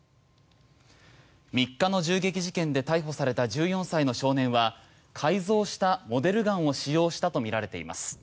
３日の銃撃事件で逮捕された１４歳の少年は改造したモデルガンを使用したとみられています。